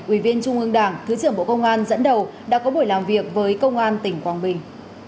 ủy viên trung ương đảng thứ trưởng bộ công an dẫn đầu đã có buổi làm việc với công an tỉnh quảng bình